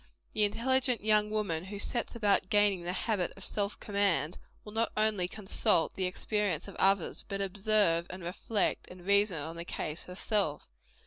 The intelligent young woman who sets about gaining the habit of self command, will not only consult the experience of others, but observe, and reflect, and reason on the case, herself.